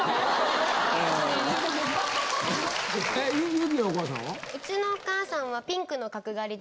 ゆきのお母さんは？